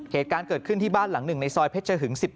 เหตุการณ์เกิดขึ้นที่บ้านหลังหนึ่งในซอยเพชรหึง๑๑